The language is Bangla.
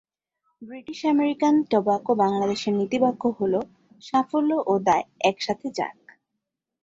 ব্রিটিশ অ্যামেরিকান টোব্যাকো বাংলাদেশের নীতিবাক্য হল "সাফল্য ও দায় একসাথে যাক"।